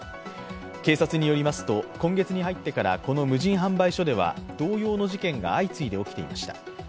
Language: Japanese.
警察によりますと今月に入ってからこの無人販売所では同様の事件が相次いで起きていました。